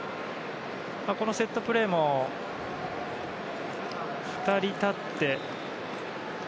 このセットプレーも２人立って。